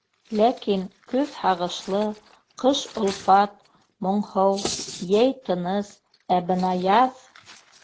Ләкин көҙ һағышлы, ҡыш олпат, моңһоу, йәй тыныс, ә бына яҙ!..